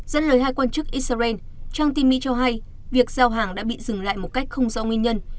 dẫn lời hai quan chức israel trang tin mỹ cho hay việc giao hàng đã bị dừng lại một cách không do nguyên nhân